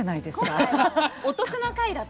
今回はお得な回だった。